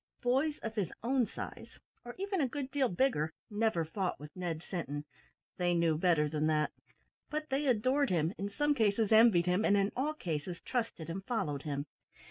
Boys of his own size, or even a good deal bigger, never fought with Ned Sinton. They knew better than that; but they adored him, in some cases envied him, and in all cases trusted and followed him.